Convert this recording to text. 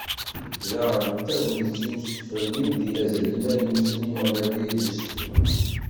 Daɣen d tagnit i usekfel n yimedyazen imaynuten yuɣen abrid n usefru.